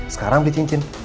sekarang ambil cincin